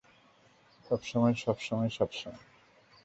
সব সময়, সব সময়, সব সময়।